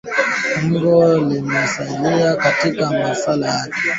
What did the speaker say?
Pengo limesalia kati ya asilimia kumi na tisa hadi ishirini na sita